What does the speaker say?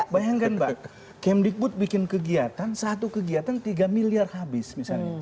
bayangkan mbak kemdikbud bikin kegiatan satu kegiatan tiga miliar habis misalnya